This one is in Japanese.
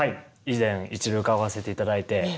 以前一度伺わせて頂いて。